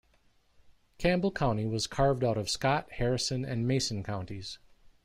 Campbell County was carved out of Scott, Harrison and Mason counties.